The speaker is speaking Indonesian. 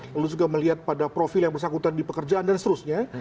lalu juga melihat pada profil yang bersangkutan di pekerjaan dan seterusnya